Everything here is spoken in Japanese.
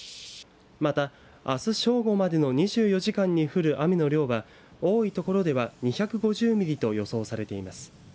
また、あす正午までの２４時間に降る雨の量は多い所では２５０ミリと予想されています。